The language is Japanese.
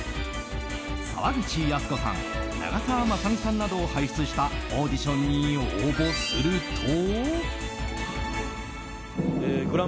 沢口靖子さん長澤まさみさんなどを輩出したオーディションに応募すると。